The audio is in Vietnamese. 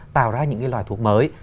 tạo ra những loài thuốc mới